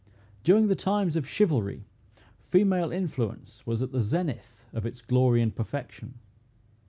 During the times of chivalry, female influence was at the zenith of its glory and perfection.